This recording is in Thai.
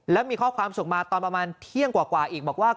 แล้วมีข้อความส่งมาตอนประมาณเที่ยงกว่าอีกบอกว่า